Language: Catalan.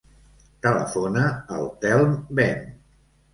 Telefona al Telm Ben.